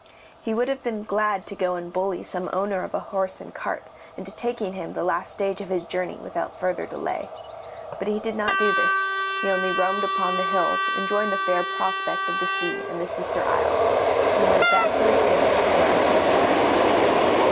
He would have been glad to go and bully some owner of a horse and cart into taking him the last stage of his journey without further delay; but he did not do this, he only roamed upon the hills enjoying the fair prospect of the sea and the sister isles, and went back to his inn about two o'clock.